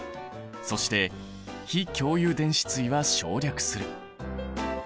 そして非共有電子対は省略する。